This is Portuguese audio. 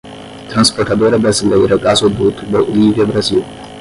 Transportadora Brasileira Gasoduto Bolívia‐Brasil